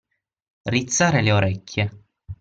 Rizzare le orecchie.